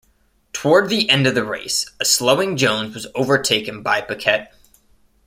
Toward the end of the race, a slowing Jones was overtaken by Piquet.